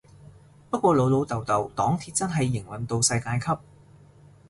不過老老豆豆黨鐵真係營運到世界級